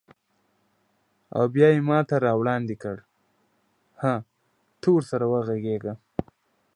او بیا یې ماته راوړاندې کړ: هه، ته ورسره وغږیږه.